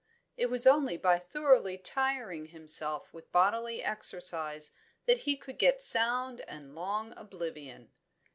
It was only by thoroughly tiring himself with bodily exercise that he could get sound and long oblivion.